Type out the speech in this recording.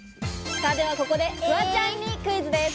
ここで、フワちゃんにクイズです。